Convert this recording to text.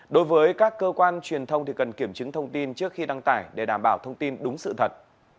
đối với các cơ quan truyền thông thì cần kiểm chứng thông tin trước khi đăng tải để đảm bảo thông tin đúng sự thật